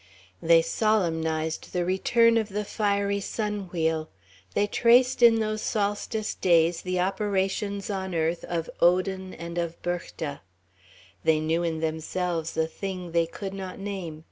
They solemnized the return of the fiery sun wheel; they traced in those solstice days the operations on earth of Odin and Berchta. They knew in themselves a thing they could not name.